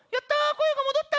声が戻った！